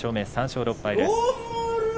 ３勝６敗です。